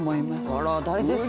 あらっ大絶賛。